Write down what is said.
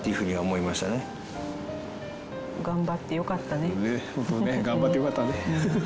本当にね頑張ってよかったね。